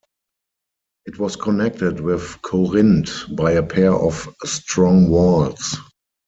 It was connected with Corinth by a pair of strong walls.